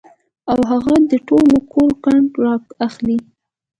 او هغه د ټول کور ګند را اخلي